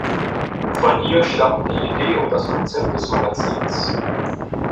Von ihr stammen die Idee und das Konzept des Magazins.